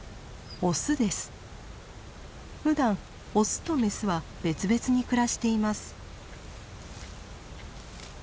ふだんオスとメスは別々に暮らしています。